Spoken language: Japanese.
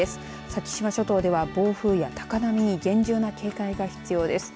先島諸島では暴風や高波に厳重な警戒が必要です。